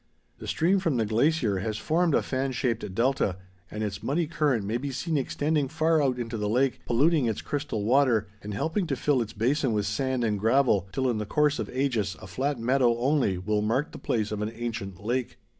The stream from the glacier has formed a fan shaped delta, and its muddy current may be seen extending far out into the lake, polluting its crystal water and helping to fill its basin with sand and gravel till in the course of ages a flat meadow only will mark the place of an ancient lake.